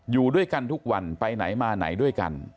อยู่ด้วยกันทุกวันไปไหนมาไหนด้วยกัน